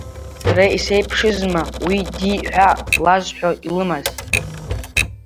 Сара исеиԥшызма уи ди ҳәа лазҳәо илымаз!